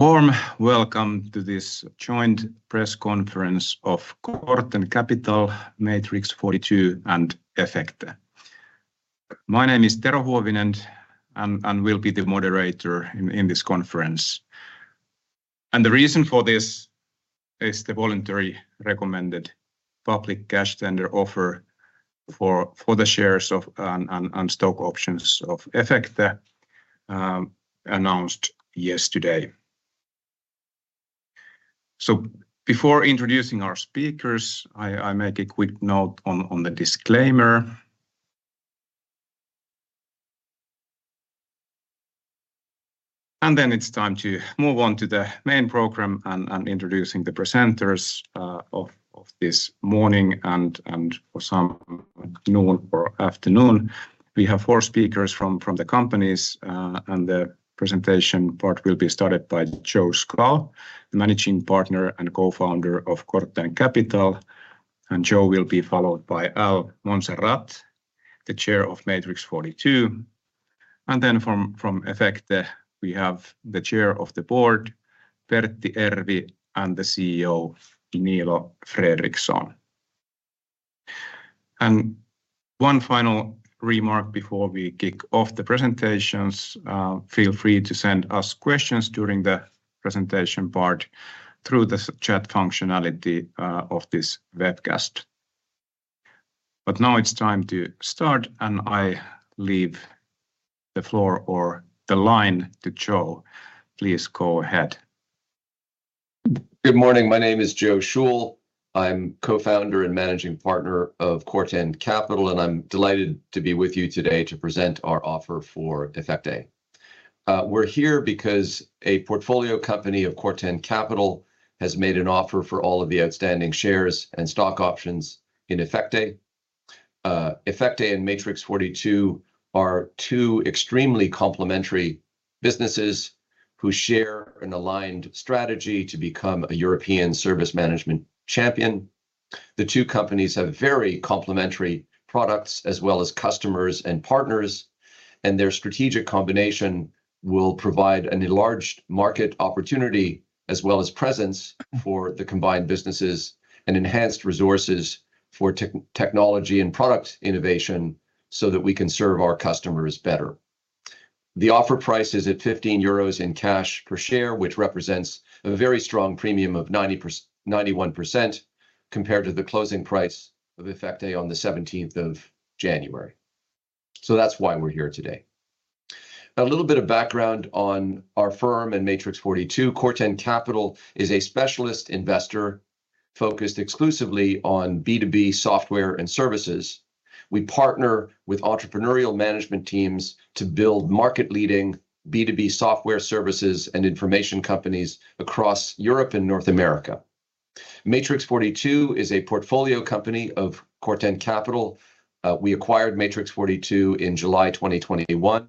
Warm welcome to this joint press conference of Corten Capital, Matrix42, and Efecte. My name is Tero Huovinen, and will be the moderator in this conference. The reason for this is the voluntary recommended public cash tender offer for the shares of, and stock options of Efecte, announced yesterday. Before introducing our speakers, I make a quick note on the disclaimer. It's time to move on to the main program and introducing the presenters of this morning and for some noon or afternoon. We have four speakers from the companies, and the presentation part will be started by Joe Schull, the Managing Partner and Co-founder of Corten Capital, and Joe will be followed by Al Monserrat, the Chair of Matrix42. Then from Efecte, we have the Chair of the Board, Pertti Ervi, and the CEO, Niilo Fredrikson. And one final remark before we kick off the presentations, feel free to send us questions during the presentation part through the chat functionality of this webcast. But now it's time to start, and I leave the floor or the line to Joe. Please go ahead. Good morning. My name is Joe Schull. I'm Co-founder and Managing Partner of Corten Capital, and I'm delighted to be with you today to present our offer for Efecte. We're here because a portfolio company of Corten Capital has made an offer for all of the outstanding shares and stock options in Efecte. Efecte and Matrix42 are two extremely complementary businesses who share an aligned strategy to become a European service management champion. The two companies have very complementary products, as well as customers and partners, and their strategic combination will provide an enlarged market opportunity, as well as presence for the combined businesses, and enhanced resources for technology and product innovation so that we can serve our customers better. The offer price is at 15 euros in cash per share, which represents a very strong premium of 91% compared to the closing price of Efecte on the seventeenth of January. So that's why we're here today. A little bit of background on our firm and Matrix42. Corten Capital is a specialist investor focused exclusively on B2B software and services. We partner with entrepreneurial management teams to build market-leading B2B software services and information companies across Europe and North America. Matrix42 is a portfolio company of Corten Capital. We acquired Matrix42 in July 2021.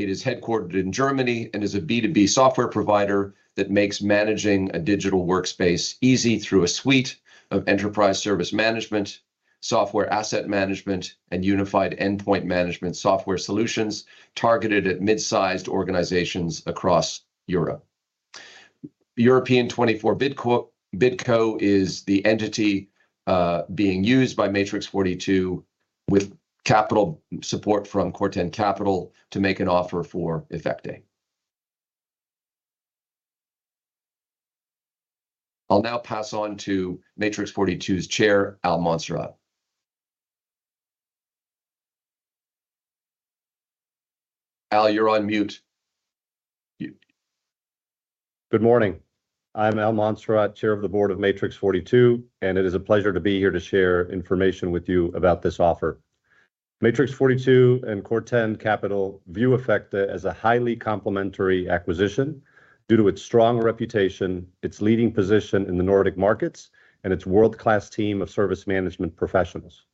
It is headquartered in Germany and is a B2B software provider that makes managing a digital workspace easy through a suite of enterprise service management, software asset management, and unified endpoint management software solutions targeted at mid-sized organizations across Europe. European 24 Bidco, Bidco is the entity being used by Matrix42, with capital support from Corten Capital, to make an offer for Efecte. I'll now pass on to Matrix42's Chair, Al Monserrat. Al, you're on mute. You- Good morning. I'm Al Monserrat, Chair of the Board of Matrix42, and it is a pleasure to be here to share information with you about this offer. Matrix42 and Corten Capital view Efecte as a highly complementary acquisition due to its strong reputation, its leading position in the Nordic markets, and its world-class team of service management professionals.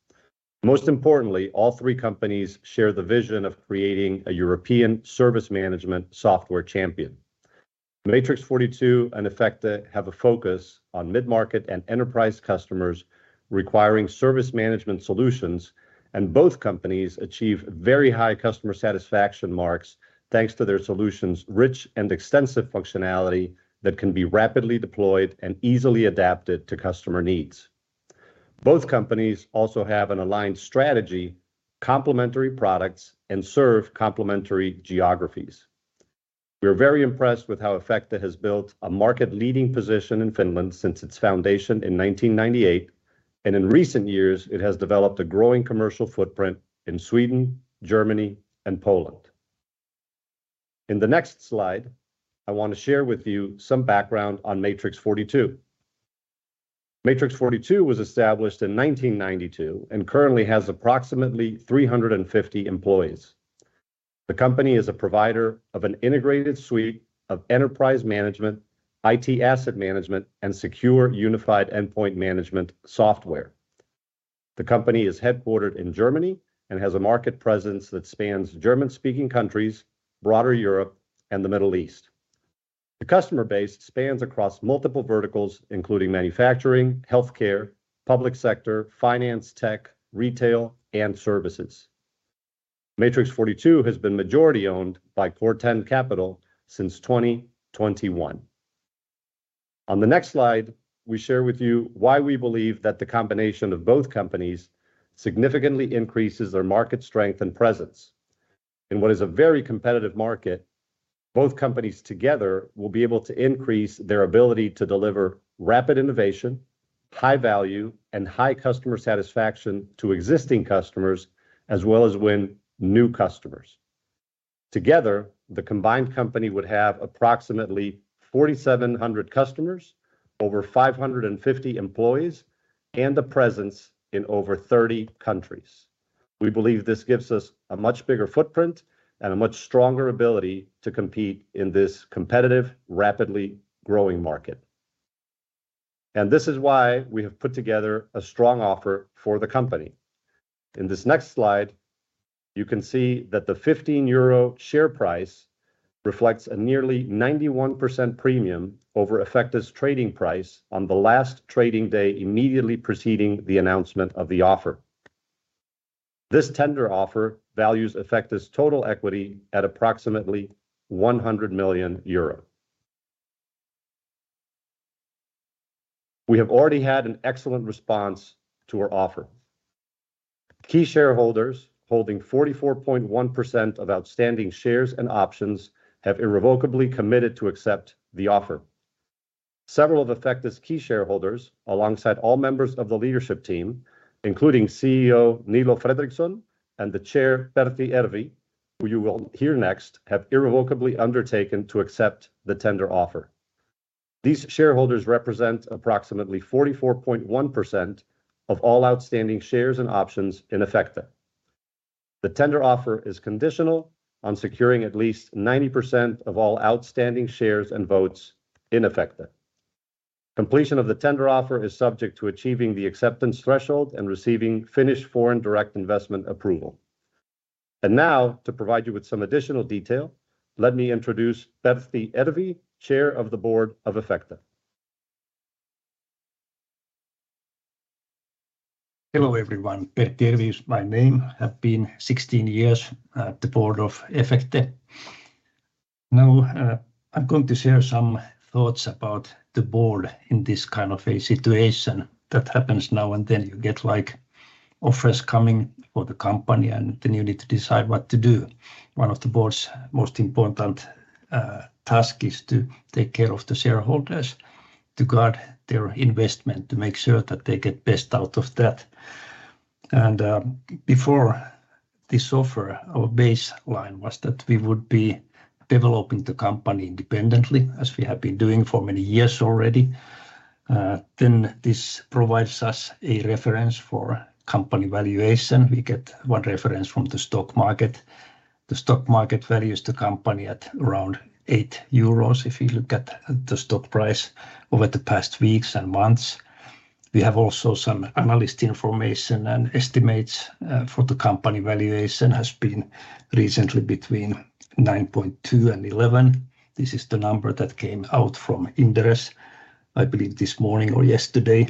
Most importantly, all three companies share the vision of creating a European service management software champion. Matrix42 and Efecte have a focus on mid-market and enterprise customers requiring service management solutions, and both companies achieve very high customer satisfaction marks, thanks to their solutions' rich and extensive functionality that can be rapidly deployed and easily adapted to customer needs. Both companies also have an aligned strategy, complementary products, and serve complementary geographies. We are very impressed with how Efecte has built a market-leading position in Finland since its foundation in 1998, and in recent years, it has developed a growing commercial footprint in Sweden, Germany, and Poland. In the next slide, I want to share with you some background on Matrix42. Matrix42 was established in 1992 and currently has approximately 350 employees. The company is a provider of an integrated suite of enterprise management, IT asset management, and secure unified endpoint management software. The company is headquartered in Germany and has a market presence that spans German-speaking countries, broader Europe, and the Middle East. The customer base spans across multiple verticals, including manufacturing, healthcare, public sector, finance, tech, retail, and services.... Matrix42 has been majority-owned by Corten Capital since 2021. On the next slide, we share with you why we believe that the combination of both companies significantly increases their market strength and presence. In what is a very competitive market, both companies together will be able to increase their ability to deliver rapid innovation, high value, and high customer satisfaction to existing customers, as well as win new customers. Together, the combined company would have approximately 4,700 customers, over 550 employees, and a presence in over 30 countries. We believe this gives us a much bigger footprint and a much stronger ability to compete in this competitive, rapidly growing market. This is why we have put together a strong offer for the company. In this next slide, you can see that the 15 euro share price reflects a nearly 91% premium over Efecte's trading price on the last trading day, immediately preceding the announcement of the offer. This tender offer values Efecte's total equity at approximately 100 million euros. We have already had an excellent response to our offer. Key shareholders holding 44.1% of outstanding shares and options have irrevocably committed to accept the offer. Several of Efecte's key shareholders, alongside all members of the leadership team, including CEO Niilo Fredrikson and the Chair, Pertti Ervi, who you will hear next, have irrevocably undertaken to accept the tender offer. These shareholders represent approximately 44.1% of all outstanding shares and options in Efecte. The tender offer is conditional on securing at least 90% of all outstanding shares and votes in Efecte. Completion of the tender offer is subject to achieving the acceptance threshold and receiving Finnish foreign direct investment approval. And now, to provide you with some additional detail, let me introduce Pertti Ervi, Chair of the board of Efecte. Hello, everyone. Pertti Ervi is my name. I've been 16 years at the board of Efecte. Now, I'm going to share some thoughts about the board in this kind of a situation that happens now and then. You get, like, offers coming for the company, and then you need to decide what to do. One of the board's most important task is to take care of the shareholders, to guard their investment, to make sure that they get best out of that. And, before this offer, our baseline was that we would be developing the company independently, as we have been doing for many years already. Then this provides us a reference for company valuation. We get one reference from the stock market. The stock market values the company at around 8 euros if you look at the stock price over the past weeks and months. We have also some analyst information and estimates for the company valuation has been recently between 9.2-11. This is the number that came out from Inderes, I believe this morning or yesterday,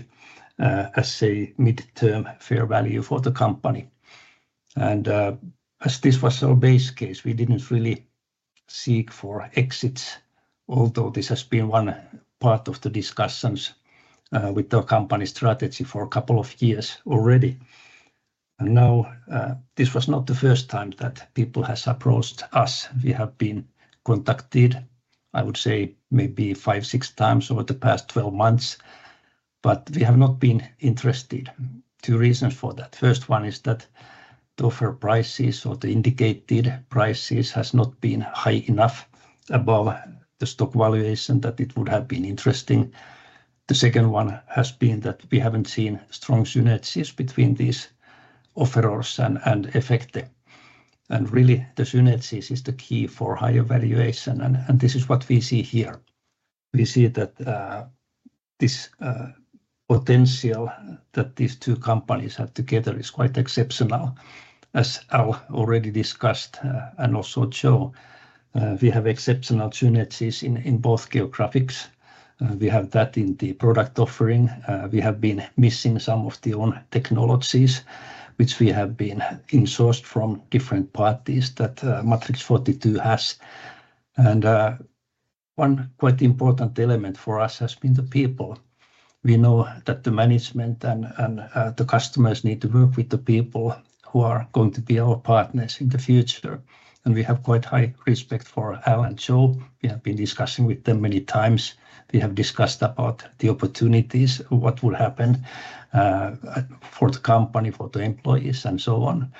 as a midterm fair value for the company. As this was our base case, we didn't really seek for exits, although this has been one part of the discussions with the company strategy for a couple of years already. Now, this was not the first time that people has approached us. We have been contacted, I would say, maybe five-six times over the past 12 months, but we have not been interested. Two reasons for that. First one is that the offer prices or the indicated prices has not been high enough above the stock valuation that it would have been interesting. The second one has been that we haven't seen strong synergies between these offerors and Efecte. Really, the synergies is the key for higher valuation, and this is what we see here. We see that this potential that these two companies have together is quite exceptional, as Al already discussed, and also Joe. We have exceptional synergies in both geographics. We have that in the product offering. We have been missing some of the own technologies which we have been in-sourced from different parties that Matrix42 has. One quite important element for us has been the people. We know that the management and the customers need to work with the people who are going to be our partners in the future, and we have quite high respect for Al and Joe. We have been discussing with them many times. We have discussed about the opportunities, what would happen, for the company, for the employees, and so on.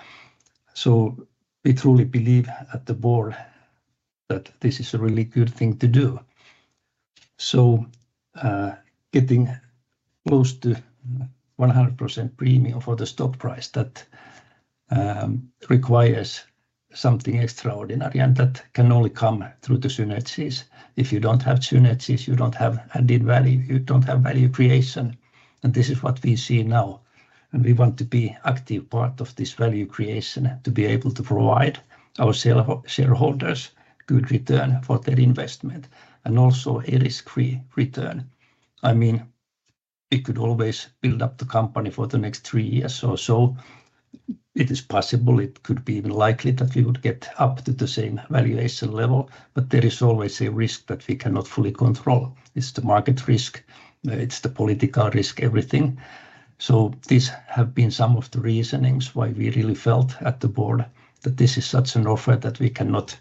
So we truly believe at the board that this is a really good thing to do. So, getting close to 100% premium for the stock price, that requires something extraordinary, and that can only come through the synergies. If you don't have synergies, you don't have added value, you don't have value creation, and this is what we see now, and we want to be active part of this value creation to be able to provide our shareholders good return for their investment, and also a risk-free return. I mean... We could always build up the company for the next three years or so. It is possible, it could be even likely, that we would get up to the same valuation level, but there is always a risk that we cannot fully control. It's the market risk, it's the political risk, everything. So these have been some of the reasonings why we really felt at the board that this is such an offer that we cannot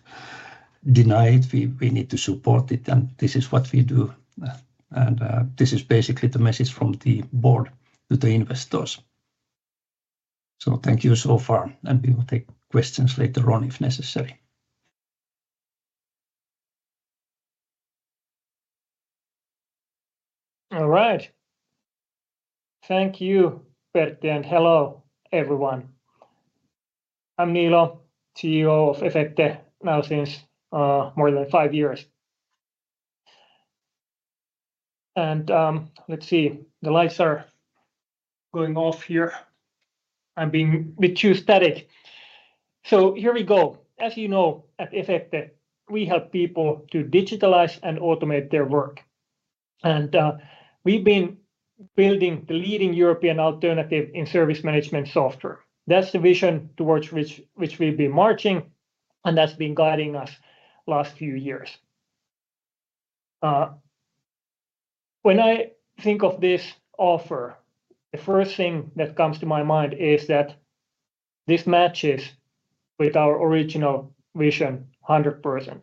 deny it. We need to support it, and this is what we do. And this is basically the message from the board to the investors. So thank you so far, and we will take questions later on if necessary. All right. Thank you, Pertti, and hello, everyone. I'm Niilo, CEO of Efecte, now since more than five years. And, let's see, the lights are going off here. I'm being bit too static. So here we go. As you know, at Efecte, we help people to digitalize and automate their work, and, we've been building the leading European alternative in service management software. That's the vision towards which, which we've been marching, and that's been guiding us last few years. When I think of this offer, the first thing that comes to my mind is that this matches with our original vision 100%.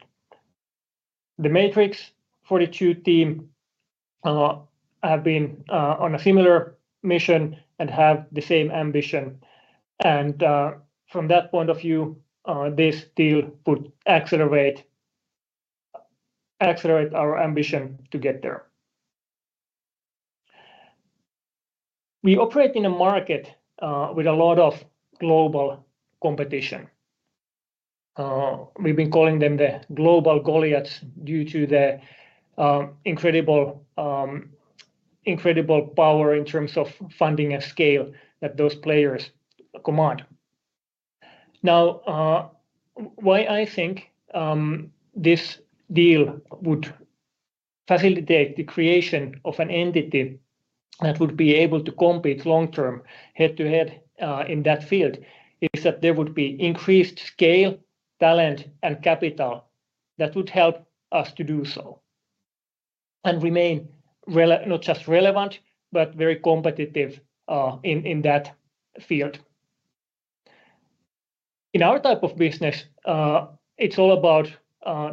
The Matrix42 team have been on a similar mission and have the same ambition, and from that point of view, this deal would accelerate, accelerate our ambition to get there. We operate in a market with a lot of global competition. We've been calling them the global Goliaths due to their incredible, incredible power in terms of funding and scale that those players command. Now, why I think this deal would facilitate the creation of an entity that would be able to compete long term, head-to-head, in that field, is that there would be increased scale, talent, and capital that would help us to do so, and remain relevant, not just relevant, but very competitive, in that field. In our type of business, it's all about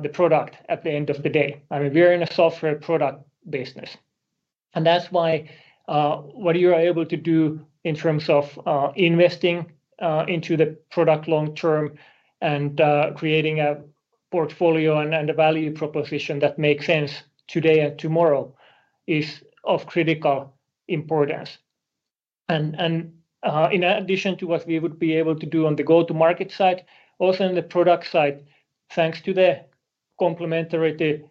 the product at the end of the day. I mean, we're in a software product business, and that's why, what you are able to do in terms of, investing, into the product long term and, creating a portfolio and a value proposition that makes sense today and tomorrow, is of critical importance. And, in addition to what we would be able to do on the go-to-market side, also on the product side, thanks to the complementarity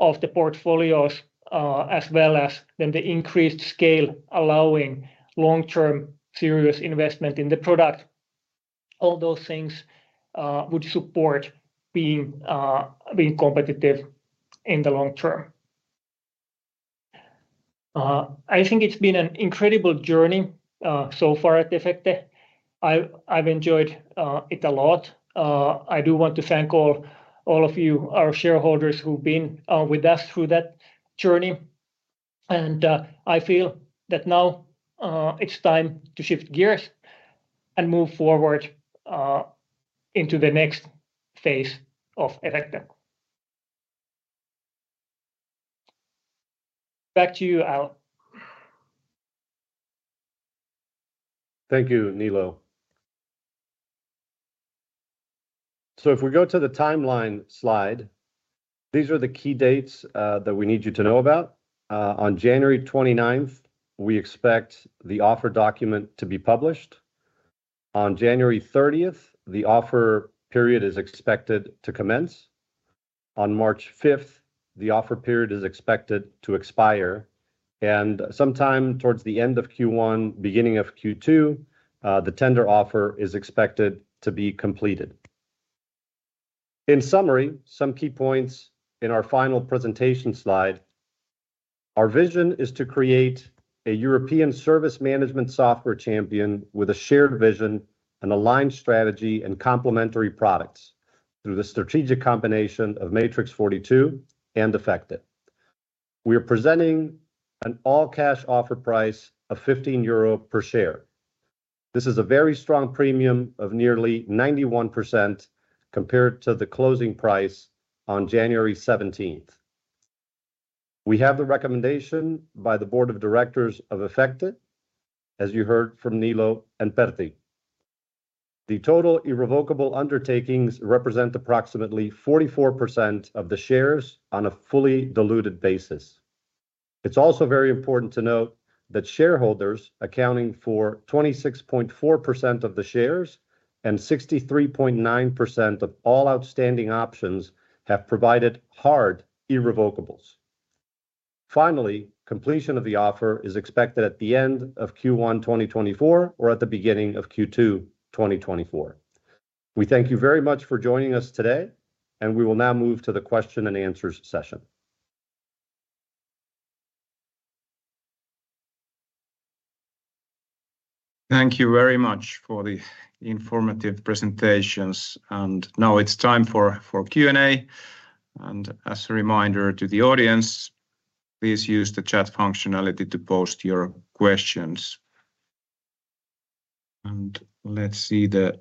of the portfolios, as well as then the increased scale, allowing long-term serious investment in the product, all those things, would support being competitive in the long term. I think it's been an incredible journey, so far at Efecte. I've enjoyed it a lot. I do want to thank all, all of you, our shareholders who've been with us through that journey, and I feel that now it's time to shift gears and move forward into the next phase of Efecte. Back to you, Al. Thank you, Niilo. So if we go to the timeline slide, these are the key dates that we need you to know about. On January 29th, we expect the offer document to be published. On January 30th, the offer period is expected to commence. On March 5th, the offer period is expected to expire, and sometime towards the end of Q1, beginning of Q2, the tender offer is expected to be completed. In summary, some key points in our final presentation slide. Our vision is to create a European service management software champion with a shared vision, an aligned strategy, and complementary products through the strategic combination of Matrix42 and Efecte. We are presenting an all-cash offer price of 15 euro per share. This is a very strong premium of nearly 91% compared to the closing price on January 17th. We have the recommendation by the board of directors of Efecte, as you heard from Niilo and Pertti. The total irrevocable undertakings represent approximately 44% of the shares on a fully diluted basis. It's also very important to note that shareholders accounting for 26.4% of the shares and 63.9% of all outstanding options have provided hard irrevocables. Finally, completion of the offer is expected at the end of Q1 2024, or at the beginning of Q2 2024. We thank you very much for joining us today, and we will now move to the question and answer session. Thank you very much for the informative presentations, and now it's time for Q&A. And as a reminder to the audience, please use the chat functionality to post your questions. And let's see the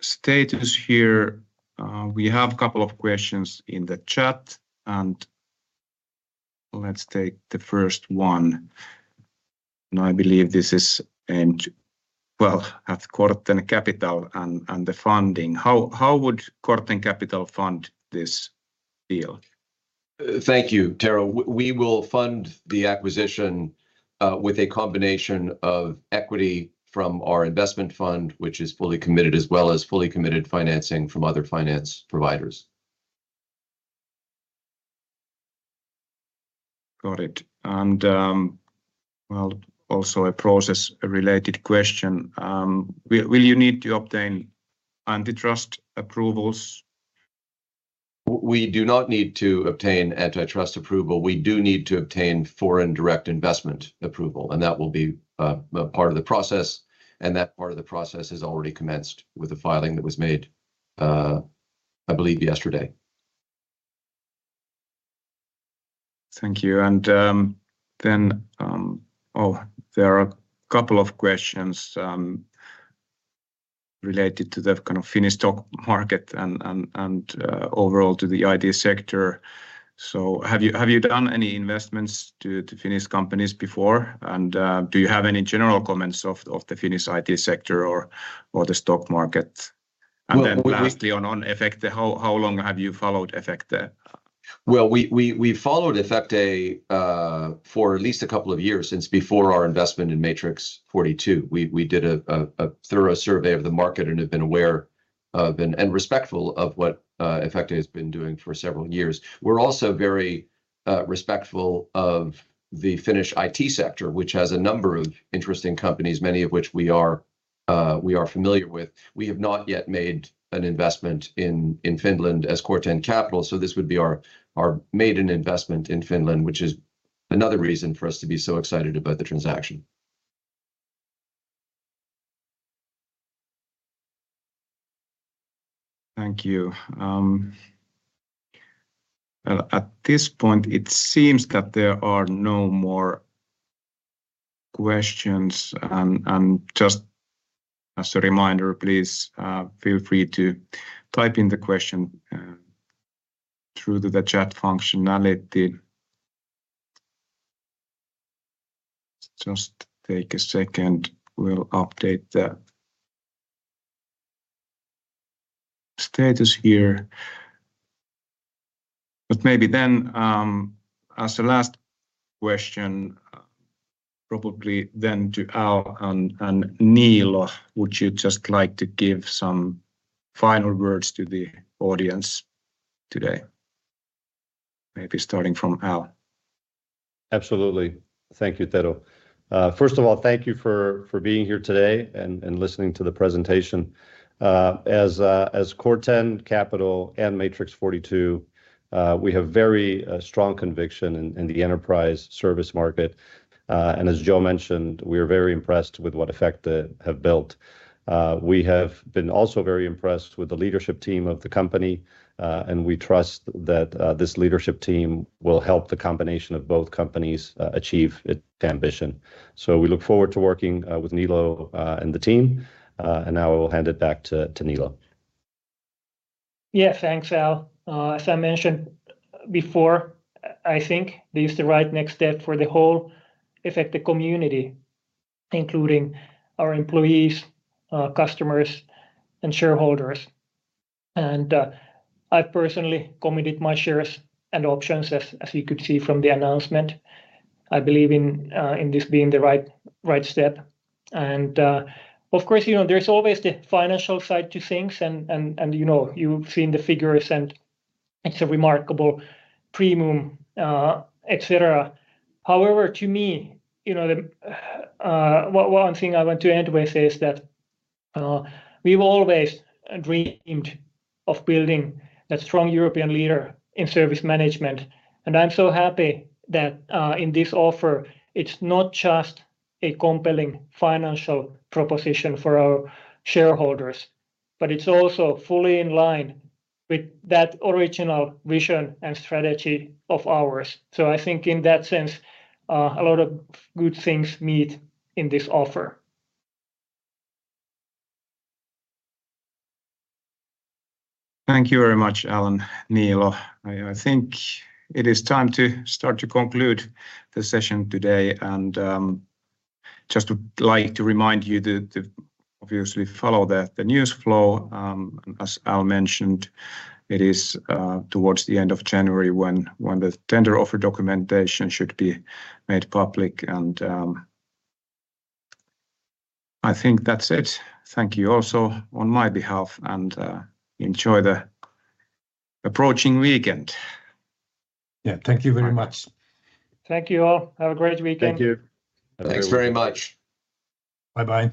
status here. We have a couple of questions in the chat, and let's take the first one. And I believe this is, well, at Corten Capital and the funding. How would Corten Capital fund this deal? Thank you, Tero. We will fund the acquisition with a combination of equity from our investment fund, which is fully committed, as well as fully committed financing from other finance providers. Got it. And, well, also a process, a related question. Will you need to obtain antitrust approvals? We do not need to obtain antitrust approval. We do need to obtain foreign direct investment approval, and that will be a part of the process, and that part of the process has already commenced with the filing that was made, I believe, yesterday. Thank you. And then. Oh, there are a couple of questions related to the kind of Finnish stock market and overall to the IT sector. So have you done any investments to Finnish companies before? And do you have any general comments of the Finnish IT sector or the stock market? Well, we- And then lastly, on Efecte, how long have you followed Efecte? Well, we've followed Efecte for at least a couple of years, since before our investment in Matrix42. We did a thorough survey of the market and have been aware of and respectful of what Efecte has been doing for several years. We're also very respectful of the Finnish IT sector, which has a number of interesting companies, many of which we are familiar with. We have not yet made an investment in Finland as Corten Capital, so this would be our maiden investment in Finland, which is another reason for us to be so excited about the transaction. Thank you. At this point, it seems that there are no more questions. And just as a reminder, please feel free to type in the question through the chat functionality. Just take a second. We'll update the status here. But maybe then, as a last question, probably then to Al and Niilo, would you just like to give some final words to the audience today? Maybe starting from Al. Absolutely. Thank you, Tero. First of all, thank you for, for being here today and, and listening to the presentation. As, as Corten Capital and Matrix42, we have very, strong conviction in, in the enterprise service market. And as Joe mentioned, we are very impressed with what Efecte have built. We have been also very impressed with the leadership team of the company, and we trust that, this leadership team will help the combination of both companies, achieve its ambition. So we look forward to working, with Niilo, and the team, and now I will hand it back to, to Niilo. Yeah. Thanks, Al. As I mentioned before, I think this is the right next step for the whole Efecte community, including our employees, customers, and shareholders. I've personally committed my shares and options, as you could see from the announcement. I believe in this being the right, right step. Of course, you know, there's always the financial side to things, and you know, you've seen the figures, and it's a remarkable premium, et cetera. However, to me, you know, the one thing I want to end with is that we've always dreamed of building a strong European leader in service management, and I'm so happy that in this offer, it's not just a compelling financial proposition for our shareholders, but it's also fully in line with that original vision and strategy of ours. So I think in that sense, a lot of good things meet in this offer. Thank you very much, Al and Niilo. I think it is time to start to conclude the session today. And just would like to remind you to obviously follow the news flow. As Al mentioned, it is towards the end of January when the tender offer documentation should be made public. And I think that's it. Thank you also on my behalf, and enjoy the approaching weekend. Yeah, thank you very much. Yeah Thank you, all. Have a great weekend. Thank you. Thanks very much. Bye- bye.